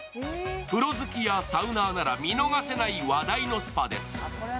風呂好きやサウナーなら見逃せない話題のスパです。